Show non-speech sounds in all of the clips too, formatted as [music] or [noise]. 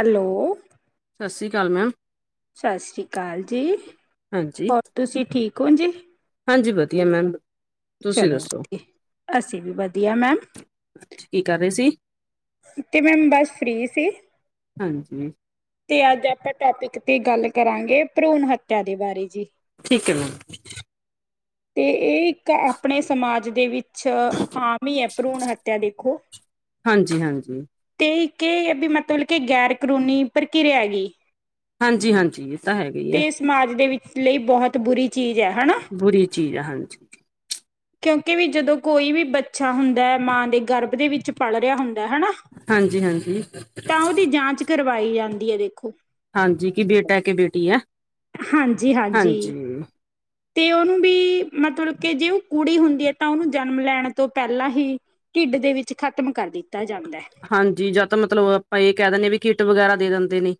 Hello. ਸਤਿ ਸ਼੍ਰੀ ਅਕਾਲ ਮੈਮ। ਸਤਿ ਸ਼੍ਰੀ ਅਕਾਲ ਜੀ, ਹਾਂਜੀ ਹੋਰ ਤੁਸੀਂ ਠੀਕ ਹੋ ਜੀ? ਹਾਂਜੀ, ਵਧੀਆ ਮੈਮ। ਤੁਸੀਂ ਚਲੋ ਦੱਸੋ ਠੀਕ ਅਸੀਂ ਵੀ ਵਧੀਆ ਮੈਮ ਕੀ ਕਰ ਰਹੇ ਸੀ? ਤੇ ਮੈਮ ਬਸ ਫਰੀ ਸੀ। ਹਾਂਜੀ। ਤੇ ਅੱਜ ਆਪਾਂ ਟੋਪਿਕ ਤੇ ਗੱਲ ਕਰਾਂਗੇ ਭਰੂਣ ਹੱਤਿਆ ਦੇ ਬਾਰੇ ਜੀ। ਠੀਕ ਹੈ ਮੈਮ। ਤੇ ਇਹ ਇੱਕ ਆਪਣੇ ਸਮਾਜ ਦੇ ਵਿੱਚ ਆਮ ਹੀ ਹੈ ਭਰੂਣ ਹੱਤਿਆ ਦੇਖੋ। ਹਾਂਜੀ, ਹਾਂਜੀ ਤੇ ਕਿ ਹੈ ਵੀ ਮਤਲਬ ਕਿ ਗੈਰ ਕਾਨੂੰਨੀ ਪ੍ਰਕਿਰਿਆ ਹੇਗੀ। ਹਾਂਜੀ, ਹਾਂਜੀ ਇਹ ਤਾਂ ਹੈਗਾ ਹੀ ਹੈ। ਸਮਾਜ ਦੇ ਵਿੱਚ ਲਈ ਬਹੁਤ ਬੁਰੀ ਚੀਜ਼ ਹੈ ਹੈਨਾ। ਬੁਰੀ ਚੀਜ਼ ਹੈ ਹਾਂਜੀ। ਕਿਉਂਕਿ ਵੀ ਜਦੋਂ ਕੋਈ ਵੀ ਬੱਚਾ ਹੁੰਦਾ ਮਾਂ ਦੇ ਗਰਭ ਦੇ ਵਿੱਚ ਪਲ੍ਹ ਰਿਹਾ ਹੁੰਦਾ ਹਨਾ। [unintelligible] ਹਾਂਜੀ ਹਾਂਜੀ ਤਾਂ ਉਹਦੀ ਜਾਂਚ ਕਰਵਾਈ ਜਾਂਦੀ ਹੈ ਦੇਖੋ। ਹਾਂਜੀ, ਕਿ ਬੇਟਾ ਕਿ ਬੇਟੀ ਹੈ। ਹਾਂਜੀ, ਹਾਂਜੀ ਤੇ ਉਹਨੂੰ ਵੀ ਮਤਲਬ ਕਿ ਜੇ ਉਹ ਕੁੜੀ ਹੁੰਦੀ ਹੈ, ਤਾਂ ਉਹਨੂੰ ਜਨਮ ਲੈਣ ਤੋਂ ਪਹਿਲਾਂ ਹੀ ਢਿੱਡ ਦੇ ਵਿੱਚ ਖ਼ਤਮ ਕਰ ਦਿੱਤਾ ਜਾਂਦਾ ਹੈ। ਹਾਂਜੀ ਜਾਂ ਤਾਂ ਮਤਲਬ ਆਪਾਂ ਇਹ ਕਹਿ ਦਿੰਦੇ ਵੀ ਕਿੱਟ ਵਗੈਰਾ ਦੇ ਦਿੰਦੇ ਨੇ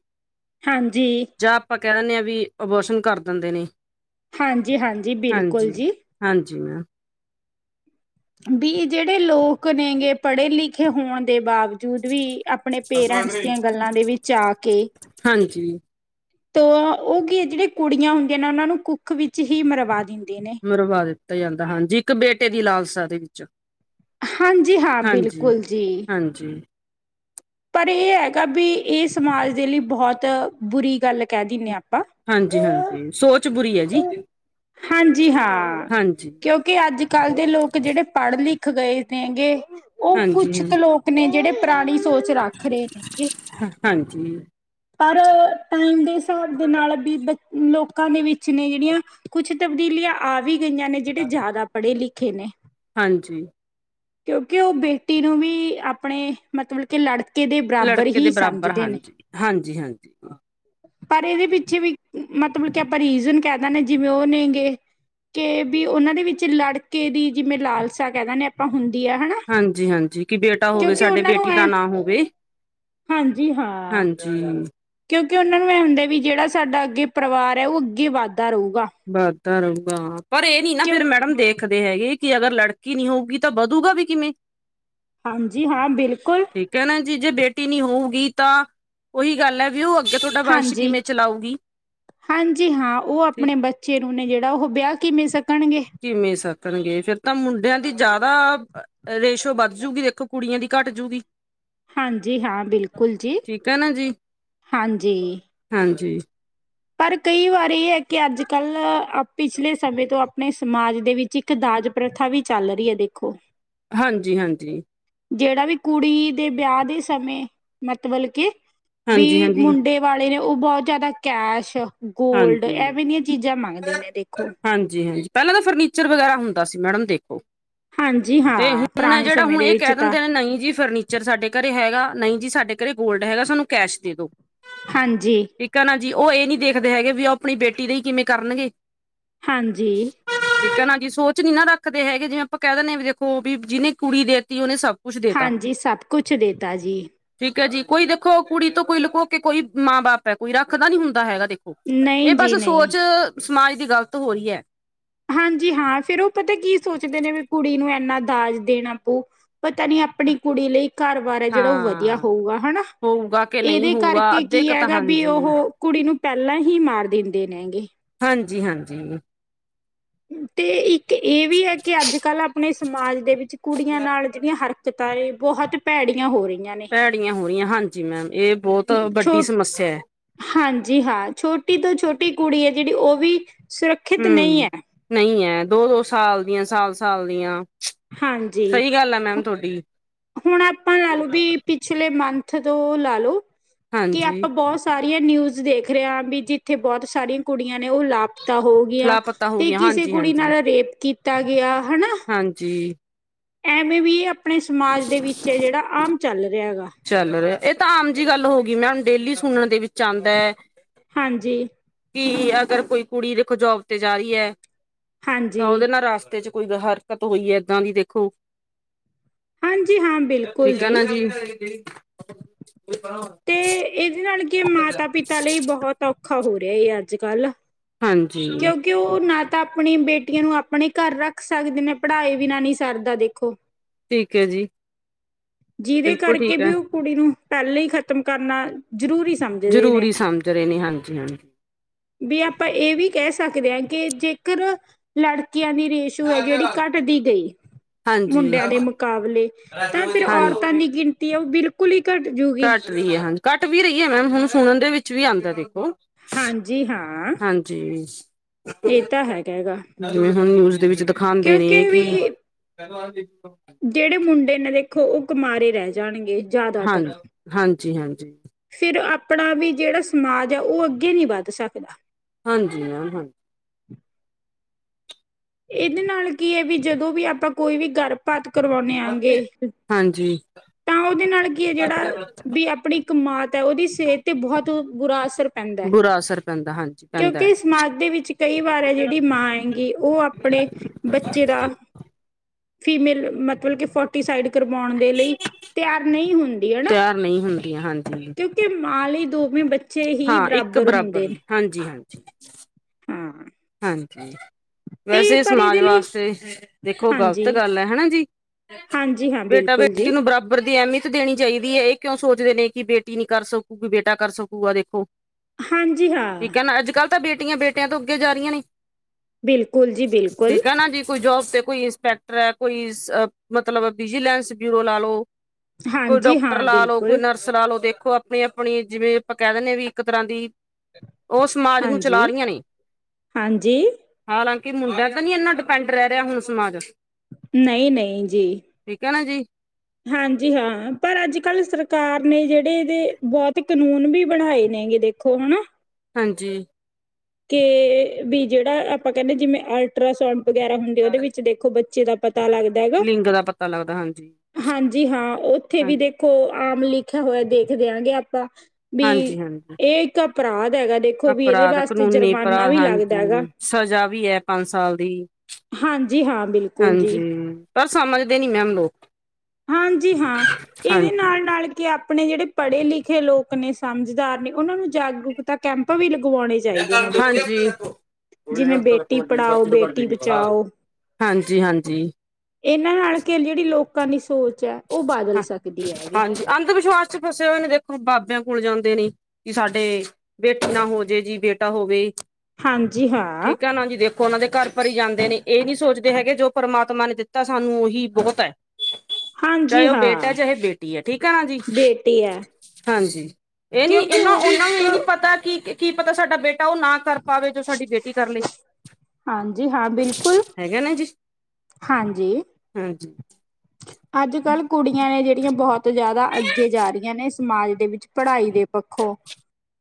ਹਾਂਜੀ। ਜਾਂ ਆਪਾਂ ਕਹਿ ਦਿੰਦੇ ਹਾਂ ਵੀ, ਅਬੋਸ਼ਨ ਕਰ ਦਿੰਦੇ ਨੇ ਹਾਂਜੀ, ਹਾਂਜੀ ਬਿਲਕੁਲ ਹਾਂਜੀ ਜੀ। ਹਾਂਜੀ ਮੈਮ। ਵੀ ਜਿਹੜੇ ਲੋਕ ਨੇਗੇ, ਪੜ੍ਹੇ ਲਿਖੇ ਹੋਣ ਦੇ ਬਾਵਦ ਜੂਦ ਵੀ, ਆਪਣੇ ਪੇਰੈਂਟਸ ਦੀਆਂ ਗੱਲਾਂ ਦੇ ਵਿੱਚ ਆ ਕੇ ਹਾਂਜੀ। ਤੋ ਉਹ ਗ, ਜਿਹੜੇ ਕੁੜੀਆਂ ਹੁੰਦੀਆਂ ਨੇ ਉਹਨਾਂ ਨੂੰ ਕੁੱਖ ਵਿੱਚ ਹੀ ਮਰਵਾ ਦਿੰਦੇ ਨੇ ਮਰਵਾ ਦਿੱਤਾ ਜਾਂਦਾ, ਹਾਂਜੀ ਇੱਕ ਬੇਟੇ ਦੀ ਲਾਲਸਾ ਦੇ ਵਿੱਚ ਹਾਂਜੀ ਹਾਂ ਹਾਂਜੀ, ਬਿਲਕੁਲ ਜੀ। ਹਾਂਜੀ ਪਰ ਇਹ ਹੈਗਾ ਵੀ, ਇਹ ਸਮਾਜ ਦੇ ਲਈ ਬਹੁਤ, ਬੁਰੀ ਗੱਲ ਕਹਿ ਦਿੰਨੇ ਹਾਂ ਆਪਾਂ ਹਾਂਜੀ ਹਾਂਜੀ ਸੋਚ ਬੁਰੀ ਹੈ। ਜੀ ਹਾਂਜੀ ਹਾਂ, ਹਾਂਜੀ, ਕਿਉਂਕਿ ਕੇ ਅੱਜ- ਕੱਲ੍ਹ ਦੇ ਲੋਕ ਜਿਹੜੇ ਪੜ੍ਹ ਲਿਖ ਗਏ ਨੇ ਗੇ, ਉਹ ਹਾਂਜੀ, ਕੁਛ ਕੁ ਲੋਕ ਨੇ ਜਿਹੜੇ ਪੁਰਾਣੀ ਸੋਚ ਰੱਖ ਰਹੇ ਨੇ ਗਏ, ਹਾਂ, ਹਾਂਜੀ। ਪਰ ਟਾਈਮ ਦੇ ਹਿਸਾਬ ਦੇ ਨਾਲ ਵੀ ਬ, ਲੋਕਾਂ ਦੇ ਵਿੱਚ ਨੇ ਜਿਹੜੀਆਂ ਕੁਛ ਤਬਦੀਲੀਆਂ ਆ ਵੀ ਗਈਆਂ ਨੇ, ਜਿਹੜੇ ਜ਼ਿਆਦਾ ਪੜ੍ਹੇ ਲਿਖੇ ਨੇ ਹਾਂਜੀ। ਕਿਉਂਕਿ ਉਹ ਬੇਟੀ ਨੂੰ ਵੀ ਆਪਣੇ ਮਤਲਬ ਕਿ ਲੜਕੇ ਦੇ ਬਰਾਬਰ ਲੜਕੇ ਦੇ ਹੀ ਬਰਾਬਰ ਸਮਝਦੇ ਨੇ। ਹਾਂਜੀ, ਹਾਂਜੀ, ਹਾਂਜੀ। ਪਰ ਇਹਦੇ ਪਿੱਛੇ ਵੀ, ਮਤਲਬ ਕਿ ਆਪਾਂ ਰੀਜ਼ਨ ਕਹਿ ਦਿੰਦੇ ਜਿਵੇਂ ਉਹ ਨੇ ਗੇ ਕੇ ਵੀ, ਉਹਨਾਂ ਦੇ ਵਿੱਚ ਲੜਕੇ ਦੀ ਜਿਵੇਂ ਲਾਲਸਾ ਕਹਿ ਦਿੰਦੇ ਹੁੰਦੀ ਆ ਹਨਾ, ਹਾਂਜੀ, ਹਾਂਜੀ ਕਿ ਬੇਟਾ ਹੋਵੇ ਕਿਉਂਕਿ ਸਾਡੇ ਉਹਨਾਂ ਨੂੰ ਬੇਟੀ ਐ ਦਾ ਨਾਂ ਹੋਵੇ ਹਾਂਜੀ ਹਾਂ। ਹਾਂਜੀ। ਕਿਉਂਕਿ ਉਹਨਾਂ ਨੂੰ ਇਹ ਹੁੰਦਾ ਵੀ ਜਿਹੜਾ ਸਾਡਾ ਅੱਗੇ ਪਰਿਵਾਰ ਹੈ, ਉਹ ਅੱਗੇ ਵੱਧਦਾ ਰਹੂਗਾ। ਵਧਦਾ ਰਹੂਗਾ, ਪਰ ਇਹ ਨੀ ਨਾ ਕਿਉਂ ਫੇਰ ਮੈਡਮ ਦੇਖ। ਦੇਖਦੇ ਹੈਗੇ ਕਿ ਅਗਰ ਲੜਕੀ ਨੀ ਹੋਊਗੀ, ਤਾਂ ਵਧੂਗਾ ਵੀ ਕਿਵੇਂ। ਹਾਂਜੀ ਹਾਂ ਬਿਲਕੁਲ। ਠੀਕ ਹੈ ਨਾ ਜੀ, ਜੇ ਬੇਟੀ ਨੀ ਹੋਊਗੀ ਤਾਂ, ਉਹੀ ਗੱਲ ਹੈ ਵੀ ਉਹ। ਤੇ ਤੁਹਾਡਾ ਵੰਸ਼ ਹਾਂਜੀ ਕਿਵੇਂ ਚਲਾਊਗੀ। ਹਾਂਜੀ ਹਾਂ, ਉਹ ਤੇ ਆਪਣੇ ਬੱਚੇ ਨੂੰ ਨੇ ਜਿਹੜਾ ਉਹ ਵਿਆਹ ਕਿਵੇਂ ਸਕਣਗੇ। ਕਿਵੇਂ ਸਕਣਗੇ, ਫੇਰ ਤਾਂ ਮੁੰਡਿਆਂ ਦੀ ਜ਼ਿਆਦਾ ਆ। ਰੇਸ਼ੋ ਵੱਧ ਜੂਗੀ, ਦੇਖੋ ਕੁੜੀਆਂ ਦੀ ਘੱਟ ਜੂਗੀ। ਹਾਂਜੀ ਹਾਂ ਬਿਲਕੁਲ ਜੀ, ਠੀਕ ਹੈ ਨਾ ਜੀ ਹਾਂਜੀ। ਹਾਂਜੀ। ਪਰ ਕਈ ਵਾਰ ਇਹ ਹੈ ਕਿ ਅੱਜ- ਕੱਲ੍ਹ, ਪਿਛਲੇ ਸਮੇਂ ਤੋਂ ਆਪਣੇ ਸਮਾਜ ਦੇ ਵਿੱਚ ਇੱਕ। ਇੱਕ ਦਾਜ ਪ੍ਰਥਾ ਵੀ ਚੱਲ ਰਹੀ ਹੈ ਦੇਖੋ। ਹਾਂਜੀ। ਹਾਂਜੀ। ਜਿਹੜਾ ਵੀ ਕੁੜੀ ਦੇ ਵਿਆਹ ਦੇ ਸਮੇਂ, ਮਤਲਬ ਕੇ, ਹਾਂਜੀ, ਵੀ ਹਾਂਜੀ, ਮੁੰਡੇ। ਵਾਲੇ ਨੇ, ਉਹ ਬਹੁਤ ਜ਼ਿਆਦਾ ਕੈਸ਼, ਗੋਲਡ, ਹਾਂਜੀ, ਐਵੇਂ ਦੀਆਂ ਚੀਜ਼ਾਂ ਮੰਗਦੇ ਨੇ ਦੇਖੋ। ਹਾਂਜੀ- ਹਾਂਜੀ, ਪਹਿਲਾਂ ਤਾਂ ਫਰਨੀਚਰ ਵਗੈਰਾ ਹੁੰਦਾ ਸੀ ਮੈਡਮ ਦੇਖੋ। ਹਾਂਜੀ ਤੇ ਹਾਂ ਹੁਣ ਹੈ ਪੁਰਾਣੇ ਜਿਹੜਾ ਸਮੇਂ ਹੁਣ ਦੇ ਇਹ ਵਿੱਚ ਕਹਿ ਤਾਂ ਦਿੰਦੇ ਨੇ ਨਹੀਂ ਜੀ ਫਰਨੀਚਰ। ਫਰਨੀਚਰ ਸਾਡੇ ਘਰੇ ਹੈਗਾ, ਨਹੀਂ ਜੀ ਸਾਡੇ ਘਰੇ ਗੋਲਡ ਹੈਗਾ, ਸਾਨੂੰ ਕੈਸ਼ ਦੇ ਦੋ। ਹਾਂਜੀ। ਠੀਕ ਹੈ ਨਾ ਜੀ, ਉਹ ਇਹ ਨੀ ਦੇਖਦੇ ਹੈਗੇ ਵੀ ਉਹ ਆਪਣੀ ਬੇਟੀ ਲਈ ਕਿਵੇਂ ਕਰਨਗੇ। ਹਾਂਜੀ। ਠੀਕ ਹੈ ਨਾ ਜੀ, ਸੋਚ ਨੀ ਨਾ ਰੱਖਦੇ ਹੈਗੇ ਜਿਵੇਂ ਆਪਾਂ ਕਹਿ ਦਿੰਦੇ ਹ ਵੀ ਦੇਖੋ ਵੀ ਜਿਹਨੇ ਕੁੜੀ ਦੇ ਦਿੱਤੀ ਉਹਨੇ ਸਭ। ਕੁਛ ਦੇਤਾ। ਹਾਂਜੀ, ਸਭ ਕੁਛ ਦੇਤਾ ਜੀ। ਠੀਕ ਹੈ ਜੀ, ਕੋਈ ਦੇਖੋ ਕੁੜੀ ਤੋਂ ਕੋਈ ਲੁਕੋ ਕੇ ਕੋਈ ਮਾਂ ਬਾਪ ਹੈ ਕੋਈ ਰੱਖਦਾ ਨੀ ਹੁੰਦਾ ਹੈਗਾ ਦੇਖੋ। ਨਹੀਂ ਇਹ ਜੀ ਬਸ, ਨਹੀਂ ਸੋਚ ਸਮਾਜ ਦੀ ਗ਼ਲਤ ਹੋ ਰਹੀ ਹੈ। ਹਾਂਜੀ ਹਾਂ ਫੇਰ ਉਹ ਪਤਾ ਕੀ ਸੋਚਦੇ ਨੇ ਵੀ ਕੁੜੀ ਨੂੰ ਇੰਨਾ ਦਾਜ ਦੇਣ ਪਾਉ, ਪਤਾ ਨੀ। ਆਪਣੀ ਕੁੜੀ ਲਈ ਘਰ ਵਾਰ ਹੈ। ਜਿਹੜਾ ਉਹ ਵਧੀਆ ਹਾਂ। ਹੋਊਗਾ ਹਨਾ। ਹੋਊਗਾ ਕਿ ਨਹੀਂ ਇਹਦੇ ਹੋਊਗਾ ਕਰਕੇ ਕੀ ਅੱਧੇ ਕ ਤਾਂ ਹੈਗਾ ਵੀ ਹਾਂਜੀ ਉਹ ਕੁੜੀ ਨੂੰ ਪਹਿਲਾਂ ਹੀ ਮਾਰ ਦਿੰਦੇ ਨੇ ਹੈਗੇ। ਹਾਂਜੀ। ਹਾਂਜੀ। ਤੇ ਇੱਕ ਇਹ ਵੀ ਹੈ ਕਿ ਅੱਜ ਕੱਲ੍ਹ ਆਪਣੇ ਸਮਾਜ ਦੇ ਵਿੱਚ। ਕੁੜੀਆਂ ਨਾਲ ਜਿਹੜੀਆਂ ਹਰਕਤਾਂ ਐ, ਬਹੁਤ ਭੈੜੀਆਂ ਹੋ ਰਹੀਆਂ ਨੇ। ਭੈੜੀਆਂ ਹੋ ਰਹੀਆਂ ਹਾਂਜੀ ਮੈਮ, ਇਹ ਬਹੁਤ ਵੱਡੀ ਛੋ ਸਮੱਸਿਆ ਹੈ। ਹਾਂਜੀ ਹਾਂ, ਛੋਟੀ ਤੋਂ ਛੋਟੀ ਕੁੜੀ ਹੈ ਜਿਹੜੀ ਉਹ ਵੀ। ਸੁਰੱਖਿਅਤ ਨਹੀਂ ਹਮ, ਹੈ ਨਹੀਂ ਹੈ। ਦੋ -ਦੋ ਸਾਲ ਦੀਆਂ, ਸਾਲ- ਸਾਲ ਦੀਆਂ। ਹਾਂਜੀ, ਸਹੀ ਗੱਲ ਹੈ ਮੈਮ ਤੁਹਾਡੀ ਹੁਣ ਆਪਾਂ ਲਾ ਲਓ ਵੀ। ਪਿਛਲੇ ਮੰਥ ਤੋਂ ਲਾਲੋ, ਕਿ ਹਾਂਜੀ ਆਪਾਂ ਬੌਸ। ਸਾਰੀਆਂ ਨਿਊਜ਼ ਦੇਖ ਰਿਹਾ ਹਾਂ ਵੀ ਜਿੱਥੇ ਬਹੁਤ ਸਾਰੀਆਂ ਕੁੜੀਆਂ ਨੇ ਉਹ ਲਾਪਤ। ਤਾਂ ਹੋ ਗਿਆ, ਲਾਪਤਾ ਹੋ ਤੇ ਗਈਆਂ ਕਿਸੇ ਹਾਂਜੀ ਕੁੜੀ ਹਾਂਜੀ ਨਾਲ ਰੇਪ ਕੀਤਾ ਗਿਆ ਹਨਾ। ਹਾਂਜੀ। ਐਵੇਂ ਵੀ ਆਪਣੇ ਸਮਾਜ ਦੇ ਵਿੱਚ ਹੈ, ਜਿਹੜਾ ਆਮ ਚੱਲ ਰਿਹਾ ਹੈਗਾ। ਚੱਲ ਰਿ, ਇਹ ਤਾਂ ਆਮ ਜਿਹੀ ਗੱਲ ਹੋ ਗਈ ਮੈਂਮ ਹੁਣ ਡੇਲੀ ਸੁਣਨ ਦੇ ਵਿੱਚ ਆਉਂਦਾ ਹੈ। ਹਾਂਜੀ। ਕਿ ਅਗਰ ਕੋਈ ਕੁੜੀ ਦੇਖੋ ਜੋਬ ਤੇ ਜਾ ਰਹੀ ਹੈ, ਤਾਂ ਹਾਂਜੀ, ਉਹਦੇ ਨਾਲ ਰਸਤੇ 'ਚ। ਕੋਈ ਹਰਕਤ ਹੋਈ ਹੈ, ਇਏਦਾਂ ਦੀ ਦੇਖੋ। ਹਾਂਜੀ ਹਾਂ ਬਿਲਕੁਲ ਠੀਕ ਆ ਨਾ ਜੀ ਹਾਂ। ਤੇ ਇਹਦੇ ਨਾਲ ਕੀ ਮਾਤਾ-ਪਿਤਾ ਲਈ ਬਹੁਤ ਔਖਾ ਹੋ ਰਿਹਾ ਹਾਂ ਅੱਜ -ਕੱਲ। ਹਾਂਜੀ। ਕਿ ਉਹ ਨਾ ਤਾਂ ਆਪਣੀ ਬੇਟੀਆਂ ਨੂੰ ਆਪਣੇ ਘਰ ਰੱਖ ਸਕਦੇ ਨੇ ਪੜ੍ਹਾਈ ਵੀ ਨਾ ਨਹੀਂ ਸਰਦਾ ਦੇਖੋ। ਠੀਕ ਹੈ ਜੀ ਜਿਹਦੇ ਬਿਲਕੁਲ ਕਰਕੇ ਠੀਕ ਹੈ ਵੀ ਉਹ, ਕੁੜੀ ਨੂੰ ਪਹਿਲਾਂ ਹੀ ਖ਼ਤਮ ਕਰਨਾ, ਜ਼ਰੂਰੀ, ਸਮਝਦੇ ਜ਼ਰੂਰੀ ਨੇ। ਸਮਝ ਰਹੇ ਨੇ, ਹਾਂਜੀ -ਹਾਂਜੀ, ਵੀ ਆਪਾਂ ਇਹ ਵੀ ਕਹਿ ਸਕਦੇ ਹਾਂ ਕਿ ਜੇਕਰ, ਲੜਕੀਆਂ ਦੀ ਰੇਸ਼, ਸ਼ੂ ਹੈ, ਜਿਹੜੀ ਘੱਟਦੀ ਗਈ, ਹਾਂਜੀ ਮੁੰਡਿਆਂ ਦੇ ਮੁਕਾਬਲੇ, ਤਾਂ ਫਿਰ ਹਾਂਜੀ ਔਰਤਾਂ ਹਾਂਜੀ ਦੀ ਗਿਣਤੀ ਆ ਉਹ ਬਿਲਕੁਲ ਹੀ ਘੱਟ ਜੂਗੀ ਹ, ਘੱਟ ਵੀ ਰਹੀ ਹੈ ਮੈਮ, ਹੁਣ ਸੁਣਨ ਦੇ ਵਿੱਚ ਵੀ ਆਉਂਦਾ ਦੇਖੋ, ਹਾਂਜੀ ਹਾਂ, ਹਾਂਜੀ, ਇਹ ਤਾਂ ਹੈਗਾ ਗਾ। ਜਿਵੇਂ ਹੁਣ ਨਿਊਜ ਦੇ ਵਿੱਚ ਦਿਖਾਉਂਦੇ ਨੇ ਕਿਉਂਕਿ ਕਿ, ਵੀ ਪਹਿਲ ਆ ਦੇਖੋ ਜਿਹੜੇ ਮੁੰਡੇ ਨੇ ਦੇਖੋ, ਉਹ ਕਮਾਰੇ ਰਹਿ ਜਾਣਗੇ ਜ਼ਿਆਦਾਤਰ ਹਾਂਜੀ ਹਾਂਜੀ ਹਾਂਜੀ ਫਿਰ ਆਪਣਾ ਵੀ ਜਿਹੜਾ ਸਮਾਜ ਆ, ਉਹ ਅੱਗੇ ਨਹੀਂ ਵੱਧ ਸਕਦਾ, ਹਾਂਜੀ ਮੈ ਹਾਂਜੀ, ਇਹਦੇ ਨਾਲ ਕੀ ਹੈ ਵੀ ਜਦੋਂ ਵੀ ਆਪਾਂ ਕੋਈ ਵੀ ਗਰ, ਪਾਤ ਕਰਵਾਉਦੇ ਆਗੇ, ਹਾਂਜੀ ਤਾਂ ਉਹਦੇ ਨਾਲ ਕੀ ਹੈ ਜਿਹੜਾ ਵੀ ਆਪਣੀ ਇੱਕਮਾਤ ਹੈ, ਉਹਦੀ ਸਿਹਤ ਤੇ ਬਹੁਤ ਬੁਰਾ ਅਸਰ ਪੈਂਦਾ ਬੁਰਾ ਅਸਰ ਪੈਂਦਾ ਹਾਂਜੀ ਪੈਂਦਾ ਕਿਉਂਕਿ, ਸਮਾਜ ਦੇ ਵਿੱਚ ਕਈ ਵਾਰ ਹੈ ਜਿਹੜੀ ਮਾਂ ਏ, ਕਿ, ਉਹ ਆਪਣੇ ਬੱਚੇ ਦਾ ਫੀਮੇਲ ਮਤਲਬ ਕੇ, ਫੋਟੀਸਾਈਡ ਕਰਵਾਉਣ ਦੇ ਲਈ ਤਿਆਰ ਨਹੀਂ ਹੁੰਦੀ ਹਨਾ, ਤਿਆਰ ਨਹੀਂ ਹੁੰਦੀਆਂ ਹਾਂਜੀ ਕਿਉਂਕਿ, ਕਿ ਮਾਂ ਲਈ, ਦੋਵੇਂ ਬੱਚੇ ਹੀ ਹਾਂ ਇੱਕ ਬਰਾਬਰ ਹੁੰਦੇ ਨੇ, ਹਾਂਜੀ- ਹਾਂਜੀ ਹਾਂ ਹਾਂਜੀ, ਤੇ ਵੈਸੇ ਪਰ ਸਮਾਜ ਇਹਦੇ ਲਈ ਵਾਸਤੇ ਦੇਖੋ, ਗਲਤ ਹਾਂਜੀ ਗੱਲ ਹੈ ਹਨਾ ਜੀ। ਹਾਂਜੀ ਹਾਂ ਬੇਟਾ- ਬਿਲਕੁਲ ਬੇਟੀ ਜੀ ਨੂੰ ਬਰਾਬਰ ਦੀ ਅਹਿਮੀ ਦੇਣੀ ਚਾਹੀਦੀ ਹੈ, ਇਹ ਕਿਉਂ ਸੋਚਦੇ ਨੇ ਕਿ, ਬੇਟੀ ਨਈ ਕਰ ਸਕੂਗੀ, ਬੇਟਾ ਕਰ ਸਕੂਗਾ ਦੇਖੋ ਹਾਂਜੀ ਹਾਂ ਠੀਕ ਹੈ ਨਾ, ਅਜ ਕੱਲ੍ਹ ਤਾਂ, ਬੇਟੀਆਂ -ਬੇਟਿਆਂ ਤੋਂ ਅੱਗੇ ਜਾ ਰਹੀਆਂ ਨੇ, ਬਿਲਕੁਲ ਜੀ ਬਿਲਕੁਲ ਠੀਕ ਆ ਨਾ ਜੀ। ਕੋਈ ਜੋਬ ਤੇ ਕੋਈ, ਇੰਸਪੈਕਟਰ ਹੈ ਕੋਈ, ਮਤਲਬ ਵਿਜੀਲੈਂਸ ਬਿਊਰੋ ਲਾ ਲਓ ਕੋਈ ਹਾਂਜੀ ਡਾਕਟਰ ਹਾਂ ਲਾ ਲੋ, ਕੋਈ ਬਿਲਕੁਲ ਨਰਸ, ਸਲਾਹ ਲੋ ਦੇਖੋ, ਆਪਣੀ- ਆਪਣੀ ਜਿਵੇਂ ਆਪਾਂ ਕਹਿ ਦਿੰਦੇ ਵੀ, ਇੱਕ ਤਰ੍ਹਾਂ ਦੀ ਉਹ ਸਮਾਜ ਨੂੰ, ਚਲਾ ਹਾਂਜੀ ਰਹੀਆਂ ਨੇ, ਹਾਂਜੀ ਹਾਲਾਂਕਿ, ਮੁੰਡਾ ਤਾਂ ਨ ਇੰਨਾ, ਡਿਪੈਂਡ ਰਹਿ ਰਿਹਾ ਹੁਣ ਸਮਾਜ ਨਹੀਂ -ਨਹੀਂ ਜੀ, ਠੀਕ ਹੈ ਨਾ ਜੀ, ਹਾਂਜੀ, ਹਾਂ ਪਰ ਅੱਜ- ਕੱਲ੍ਹ ਸਰਕਾਰ ਨੇ ਜਿਹੜੇ ਇਹਦੇ ਬਹੁਤ ਕਾਨੂੰਨ ਵੀ, ਬਣਾਏ ਨੇ ਇਹਦੇ ਖੋਆਂ ਨਾ, ਹਾਂਜੀ। ਕੇ, ਵੀ ਜਿਹੜਾ ਆਪਾਂ ਕਹਿੰਦੇ ਜਿਵੇਂ, ਅਲਟਰਾਸਾਊਂਡ ਵਗੈਰਾ ਹੁੰਦੇ, ਉਹਦੇ ਵਿੱਚ ਦੇਖ ਦੇਖੋ ਬੱਚੇ ਦਾ ਪਤਾ ਲੱਗਦਾ ਹੈਗਾ, ਲਿੰਗ ਦਾ ਪਤਾ ਲੱਗਦਾ ਹਾਂਜੀ ਹਾਂਜੀ ਹਾਂ, ਉੱਥੇ ਹਾਂ- ਵੀ ਦੇਖ ਕੋ ਆਮ, ਲਿਖਿਆ ਹੋਇਆ ਦੇਖ ਦਿਆਂਗੇ ਆਪਾਂ, ਵੀ ਹਾਂਜੀ ਹਾਂਜੀ ਇਹ ਇੱਕ, ਅਪਰਾਧ ਹੈਗਾ ਦੇਖੋ ਵੀ ਇਹਦੇ, ਅਪਰਾਧ ਵਾਸਤੇ ਕਾਨੂੰਨੀ ਜੁਰਮਾਨਾ ਪਾਰਾਦ ਵੀ ਲੱਗਦਾ ਹੈਗਾ ਹਾਂਜੀ, ਸਜ਼ਾ ਵੀ ਹੈ ਪੰਜ ਸਾਲ ਦੀ ਹਾਂਜੀ, ਹਾਂ ਬਿਲਕੁਲ ਜੀ। ਹਾਂਜੀ ਪਰ ਸਮਝਦੀ ਨੀ ਮੈਮ ਉਨੂੰ ਹਾਂਜੀ ਹਾਂ ਇਹਦੇ ਨਾਲ -ਨਾਲ ਕਿ ਆਪਣੇ ਜਿਹੜੇ ਪੜ੍ਹੇ ਲਿਖੇ ਲੋਕ ਨੇ, ਸਮਝਦਾਰ ਨੇ ਉਹਨਾਂ ਨੂੰ ਜਾਗਰੂਕਤਾ, ਕੈਂਪ ਵੀ ਲਗਵਾਉਣੇ ਤੀ ਚਾਹੀਦੇ ਕਰ ਨੇ [unintelligible] [inaudible] ਦੇਖੋ ਜਿਵੇਂ ਬੇਟੀ ਪੜ੍ਹਾਓ ਬੇਟੀ ਬਚਾਓ ਹਾਂਜੀ -ਹਾਂਜੀ, ਇਹਨਾਂ ਨਾਲ ਕਿ, ਜਿਹੜੀ ਲੋਕਾਂ ਦੀ ਸੋਚ ਹੈ, ਉਹ ਬਦਲ ਸਕਦੀ ਹੈਗੀ। ਹਾਂਜੀ ਅੰਧ ਵਿਸ਼ਵਾਸ ਚ ਫਸੇ ਹੋਏ ਨੇ, ਦੇਖੋ ਬਾਬਿਆਂ ਕੋਲ ਜਾਂਦੇ ਨੇ, ਕਿ ਸਾਡੇ ਬੇਟੀ ਨਾ ਹੋ ਜੇਏ ਜੀ, ਬੇਟਾ ਹੋਵੇ, ਹਾਂਜੀ ਹਾਂ ਠੀਕ ਹੈ ਨਾ, ਜੀ ਦੇਖੋ ਉਹਨਾਂ ਦੇ, ਘਰ ਭਰੀ ਜਾਂਦੇ ਨੇ, ਇਹ ਨੀ ਸੋਚਦੇ ਹੈਗੇ ਜੋ ਪਰਮਾਤਮਾ ਨੇ ਦਿੱਤਾ ਸਾਨੂੰ, ਉਹੀ ਬਹੁਤ ਹੈ ਹਾਂਜੀ ਚਾਹੇ, ਉਹ ਬੇਟਾ ਹੈ, ਹਾਂ ਚਾਹੇ ਬੇਟੀ ਹੈ ਠੀਕ, ਹੈ ਨਾ ਜੀ ਬੇਟੀ ਹੈ ਹਾਂਜੀ, ਇਹ ਨੀ ਕਿਉਂਕਿ ਇਹਨਾਂ ਉਹ ਵੀ ਉਹਨਾਂ ਨੂੰ, ਇੱਕ ਇਹ ਨਈ ਪਤਾ ਕਿ ਕੀ ਪਤਾ, ਸਾਡਾ ਬੇਟਾ ਉਹ ਨਾ ਕਰ ਪਾਵੇ, ਜੋ ਸਾਡੀ ਬੇਟੀ ਕਰ ਲਏ ਹਾਂਜੀ ਹਾਂ ਬਿਲਕੁਲ ਹੈਗਾ ਨਾ ਜਿਸ ਹਾਂਜੀ ਹਾਂਜੀ। ਅੱਜ -ਕੱਲ੍ਹ ਕੁੜੀਆਂ ਨੇ ਜਿਹੜੀਆਂ ਬਹੁਤ ਬਹੁਤ ਜ਼ਿਆਦਾ, ਅੱਗੇ ਜਾ ਰਹੀਆਂ ਨੇ, ਸਮਾਜ ਦੇ ਵਿੱਚ ਪੜ੍ਹਾਈ ਦੇ ਪੱਖੋਂ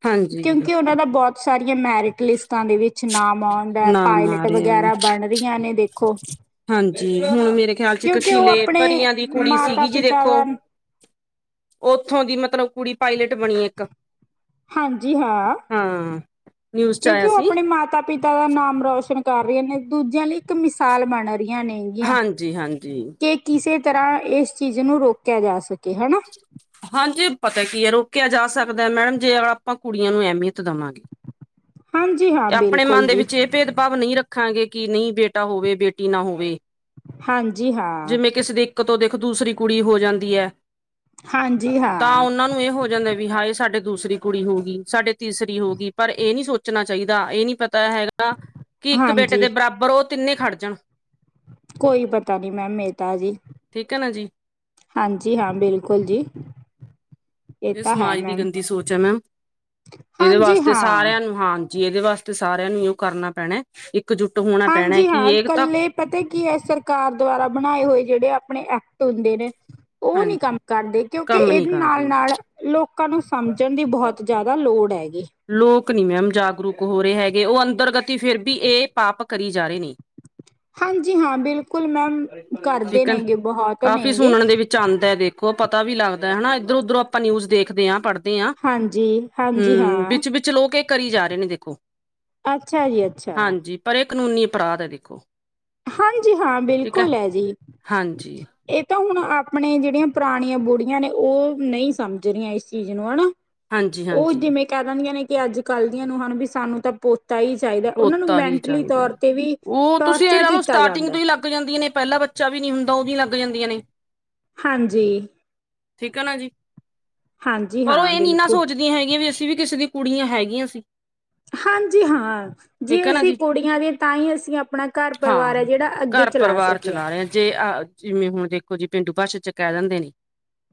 ਹਾਂਜੀ ਕਿਉਂਕਿ ਓਨਾਂ ਦਾ ਬੋਤ ਸਾਰੀਆਂ ਮੈਰਿਟ ਲਿਸਟਾਂ ਦੇ ਵਿੱਚ ਨਾਮ ਔਨ ਦਾ ਨਾ ਪਾਇਲਟ ਮਾਰਿਆ ਵਗੈਰਾ ਬਣ ਰਈਆਂ ਨੇ ਦੇਖੋ। ਹਾਂਜੀ ਹੁਣ ਮੇਰੇ ਖਿਆਲ ਚ ਇੱਕ ਕਿਉਂਕਿ ਉਹ ਸ਼ੀਲੇ ਆਪਣੇ ਪਰੀਆਂ ਦੀ ਕੁੜੀ ਮਾਤਾ ਸੀਗੀ ਜੀ ਪਿਤਾ ਦੇਖੋ। ਦਾ ਓੱਥੋਂ ਦੀ ਮਤਲਬ ਕੁੜੀ ਪਾਇਲਟ ਬਨੀ ਇੱਕ। ਹਾਂਜੀ ਹਾਂ, ਹਾਂ ਨਿਊਜ਼ ਚ ਆਇਆ ਕਿਉਂਕਿ ਓ ਸੀ ਅਪਨੇ ਮਾਤਾ ਪਿਤਾ ਦਾ ਨਾਮ ਰੋਸ਼ਨ ਕਰ ਰਏ ਨੇ ਦੂਜਿਆਂ ਲਈ ਇੱਕ ਮਿਸਾਲ ਬਨ ਰਈਆਂ ਨੇ। ਹਾਂਜੀ ਹਾਂਜੀ ਕੇ ਕਿਸੇ ਤਰ੍ਹਾਂ ਇਸ ਚੀਜ਼ ਨੂੰ ਰੋਕਿਆ ਜਾ ਸਕੇ ਹੈਨਾ। ਹਾਂਜੀ ਪਤਾ ਕੀ ਐ ਰੋਕਿਆ ਜਾ ਸਕਦਾ ਮੈਡਮ ਜੇ ਆਪਾਂ ਕੁੜੀਆਂ ਨੂੰ ਐਮੀਅਤ ਦੇਵਾਂਗੇ। ਹਾਂਜੀ ਹਾਂ ਅਪਣੇ ਬਿਲਕੁਲ ਮਨ ਦੇ ਜੀ ਵਿੱਚ ਏ ਭੇਦਭਾਵ ਨਈ ਰੱਖ ਦੇਖਾਂਗੇ ਕਿ ਨਈ ਬੇਟਾ ਹੋਵੇ ਬੇਟੀ ਨਾ ਹੋਵੇ ਹਾਂਜੀ ਹਾਂ, ਜਿਵੇਂ ਕਿਸੇ ਦੇ ਕਤੋਂ ਦੇਖ ਦੂਸਰੀ ਕੁੜੀ ਹੋ ਜਾਂਦੀ ਹੈ। ਹਾਂਜੀ ਤਾਂ ਹਾਂ, ਉਨਾਂ ਨੂੰ ਐ ਹੋ ਜਾਂਦਾ ਵੀ ਹਾਏ ਸਾਡੇ ਦੂਸਰੀ ਕੁੜੀ ਹੋਊਗੀ ਸਾਡੇ ਤੀਸਰੀ ਹੋ ਗਈ ਪਰ ਏ ਨੀ ਸੋਚਣਾ ਚਾਈਦਾ ਏ ਨੀ ਪਤਾ ਹੈਗਾ ਕਿ ਇੱਕ ਬੇਟੇ ਹਾਂਜੀ ਦੇ ਬਰਾ ਬਰ ਓ ਤਿੰਨੇ ਖੜ ਜਾਣ ਕੋਈ ਪਤਾ ਨੀ ਮੈਮ ਏਤਾ ਜੀ। ਠੀਕ ਹੈ ਨਾ ਜੀ ਹਾਂਜੀ ਹਾਂ ਬਿਲਕੁਲ ਜੀ। ਇਹ ਏ ਤਾਂ ਹੈ ਸਮਾਜ ਦੀ ਮੈਮ ਗੰਦੀ ਸੋਚ ਐ ਮੈਮ ਏਦੇ ਹਾਂਜੀ ਵਾਸਤੇ ਹਾਂ ਸਾਰਿਆਂ ਨੂੰ ਹਾਂ ਜੀ ਏਦੇ ਵਾਸਤੇ ਸਾਰਿਆਂ ਨੂੰ ਇਓ ਕਰਨਾ ਪੈਣਾ ਇਕਜੁੱਟ ਹੋਣਾ ਪੈਣਾ ਹਾਂਜੀ ਕਿ ਹਾਂ ਏ ਤਾਂ ਕੱਲੇ ਪਤਾ ਕੀ ਐ ਸਰਕਾਰ ਦੁਆਰਾ ਬਣਾਏ ਹੋਏ ਜੇੜੇ ਅਪਣੇ ਐਕਟ ਹੁੰਦੇ ਨੇ ਓ ਨੀ ਕੰਮ ਹਾਂਜੀ ਕਰਦੇ ਕਿਉਂਕਿ ਕੰਮ ਨੀ ਏਦੇ ਕਰਦੇ ਨਾਲ-ਨਾਲ ਲੋਕਾਂ ਨੂੰ ਸਮਝਣ ਦੀ ਬੋਹਤ ਜੈਦਾ ਲੋੜ ਹੈਗੀ। ਲੋਕ ਨੀ ਮੈਮ ਜਾਗਰੂਕ ਹੋ ਰੇ ਹੈਗੇ ਓ ਅੰਤਰ ਗਤੀ ਫਿਰ ਵੀ ਏ ਪਾਪ ਕਰੀ ਜਾ ਰੇ ਨੇ। ਹਾਂਜੀ ਹਾਂ ਬਿਲਕੁਲ ਮੈਮ ਕਰਦੇ ਨੇਗੇ ਬਹੋਤ ਨੇਗੇ। ਚਾੰਦਾ ਐ ਦੇਖੋ ਪਤਾ ਵੀ ਲੱਗਦਾ ਹੈਨਾ ਇੱਧਰ ਉੱਧਰੋਂ ਅਪਾਂ ਨਿਊਜ਼ ਦੇਖਦੇ ਆ ਪੜਦੇ ਦੇਆ ਹਾਂਜੀ ਹਾਂਜੀ ਹੂੰ ਹਾਂ ਵਿੱਚ-ਵਿੱਚ ਲੋਕ ਏ ਕਰੀ ਜਾ ਰਏ ਨੇ ਦੇਖੋ। ਅੱਛਾ ਜੀ ਅੱਛਾ। ਹਾਂਜੀ ਪਰ ਏ ਕਾਨੂੰਨੀ ਅਪਰਾਧ ਹੈ ਦੇਖੋ। ਹਾਂਜੀ ਹਾਂ ਠੀਕ ਹੈ ਬਿਲਕੁਲ ਐ ਜੀ। ਹਾਂਜੀ ਏ ਤਾਂ ਹੁਨ ਅਪਨੇ ਜੇੜੀਆਂ ਪੁਰਾਨੀਆਂ ਬੁੜੀਆਂ ਨੇ ਓ ਨਈ ਸਮਝ ਰਈਆਂ ਇਸ ਚੀਜ਼ ਨੂੰ ਐਨਾ। ਹਾਂਜੀ ਓ ਹਾਂਜੀ ਜਿਵੇਂ ਕੈ ਦਿੰਦੀਆਂ ਨੇ ਕਿ ਆੱਜ ਕਾੱਲ ਦੀਆਂ ਨੂੰਹਾ ਨੂੰ ਵੀ ਸਾਨੂੰ ਤਾਂ ਪੁ ਤਾ ਈ ਚਾਈਦਾ ਉਨਾਂ ਨੂੰ ਪੋਤਾ ਮੈਂਟਲੀ ਤੌਰ ਤੇ ਵੀ ਟੋਰ ਪੈਲਾਂ ਓ ਸਟਾਰਟਿੰਗ ਤੋਂ ਈ ਲੱਗ ਜਾਂਦੀਆਂ ਨੇ ਪੈਲਾ ਬੱਚਾ ਵੀ ਨੀ ਹੁੰਦਾ ਓ ਵੀ ਲੱਗ ਜਾਂਦੀਆਂ ਨੇ। ਹਾਂਜੀ। ਠੀਕ ਐ ਨਾ ਜੀ ਹਾਂਜੀ ਪਰ ਓ ਹਾਂ ਏਨੀ ਨਾ ਬਿਲਕੁਲ ਸੋਚ ਦੀ ਹੈਗੀਆਂ ਵੀ ਅਸੀਂ ਵੀ ਕਿਸੇ ਦੀ ਕੁੜੀਆਂ ਹੈਗੀਆਂ ਸੀ। ਹਾਂਜੀ ਹਾਂ। ਜੇ ਠੀਕ ਹੈ ਨਾ ਅਸੀਂ ਜੀ ਕੁੜੀਆਂ ਦੇ ਤਾਂ ਈ ਅਸੀਂ ਅਪਣਾ ਘਰ ਪਰਿਵਾਰ ਹਾਂ ਐ ਜੇੜਾ ਅੱਗੇ ਘਰ ਚੱਲਾ ਪਰਿਵਾਰ ਸਕੇਆ। ਚਲਾ ਰਹੇ ਆ ਜੇ ਆ ਜਿਵੇਂ ਹੁਣ ਦੇਖੋ ਜੀ ਪੇਂਡੂ ਭਾਸ਼ਾ ਚ ਕੈ ਦਿੰਦੇ ਹੀ।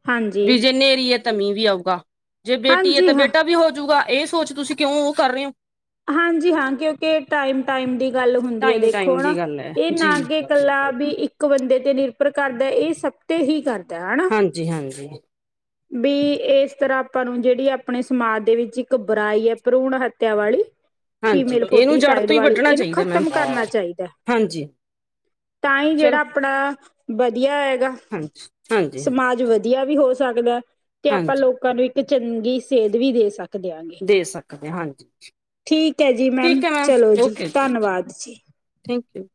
ਹਾਂ ਵੀ ਜੇ ਨੇਰੀ ਐ ਤਾਂ ਮ੍ਹੀਂ ਵੀ ਆਊਗਾ ਜੇ ਬੇਟੀ ਐ ਤਾਂ ਹਾਂਜੀ ਹਾਂ ਬੇਟਾ ਵੀ ਹੋਜੂਗਾ ਏ ਸੋਚ ਤੁਸੀਂ ਕਿਉਂ ਓ ਕਰ ਰੇ ਓ? ਹਾਂਜੀ ਹਾਂ ਕਿਉਂਕਿ ਟਾਈਮ ਟਾਈਮ ਦੀ ਗੱਲ ਹੁੰਦੀ ਐ ਟਾਈਮ ਟਾਈਮ ਦੇਖੋ ਹੈਨਾ ਦੀ ਗੱਲ ਹੈ ਏ ਜੀ ਨਾਗੇ ਕੱਲਾ ਵੀ ਇੱਕ ਇੱਕ ਬੰਦੇ ਤੇ ਨਿਰਭਰ ਕਰਦਾ ਇਹ ਸਬ ਤੇ ਈ ਕਰਦਾ ਐਨਾ। ਜੀ ਹਾਂਜੀ। ਵੀ ਇਸ ਤਰ੍ਹਾਂ ਆਪਾਂ ਨੂੰ ਜਿਹੜੀ ਆਪਣੇ ਸਮਾਜ ਦੇ ਵਿੱਚ ਇੱਕ ਬੁਰਾਈ ਹੈ ਭਰੂਣ ਹੱਤਿਆ ਵਾਲੀ ਹਾਂਜੀ ਫੀਮੇਲ ਇਹਨੂੰ ਜੜ ਫੋਟੀਸਾਈਡ ਤੋਂ ਹੀ ਵਾਲੀ ਵੱਢਣਾ ਇਹਨੂੰ ਚਾਹੀਦਾ ਮੈਮ ਖਤਮ ਕਰਨਾ ਚਾਹੀਦਾ। ਹਾਂਜੀ ਤਾਂ ਹੀ ਜਿਹੜਾ ਚਲੋ ਆਪਣਾ ਵਧੀਆ ਹੈਗਾ ਹਾਂਜੀ ਹਾਂਜੀ ਹਾਂਜੀ ਸਮਾਜ ਵਧੀਆ ਵਧੀਆ ਵੀ ਹੋ ਸਕਦਾ ਹੈ ਤੇ ਆਪਾਂ ਹਾਂਜੀ ਲੋਕਾਂ ਨੂੰ ਇੱਕ ਚੰਗੀ ਸੇਧ ਵੀ ਦੇ ਸਕ ਦੇ ਸਕਦੇ ਹੀ ਹਾਂਜੀ ਠੀਕ ਹੈ ਜੀ ਮੈਮ ਠੀਕ ਹੈ ਚਲੋ ਜੀ ਓਕੇ ਤੰਨਵਾਦ ਜੀ। Thank you